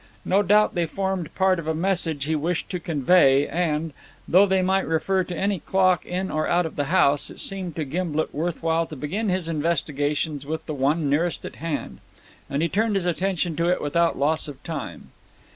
No doubt they formed part of a message he wished to convey; and, though they might refer to any clock in or out of the house, it seemed to Gimblet worth while to begin his investigations with the one nearest at hand, and he turned his attention to it without loss of time.